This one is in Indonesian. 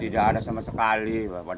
tidak ada sama sekali